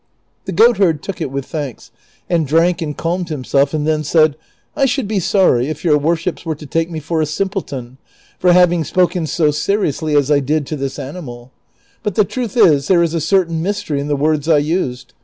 The goatherd took it with thanks, and drank and calmed himself, and then said, " I should l)e sorry if your worships were to take me for a simpleton for having spoken so seriously 428 DON QUIXOTE. as I did to this animal ; but tlie truth is there is a certain mystery in the words I used.